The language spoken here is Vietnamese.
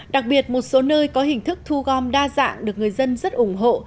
đặc biệt một số nơi có hình thức thu gom đa dạng được người dân rất ủng hộ